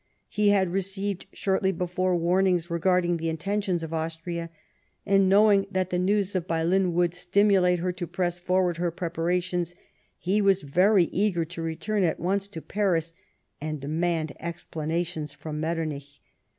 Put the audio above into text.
He had received shortly before warnings regarding the intentions of Austria, and, knowing that the news of Baylen would stimulate her to press forward her preparations, he was very eager to return at once to Paris, and demand explanations from jMetternich.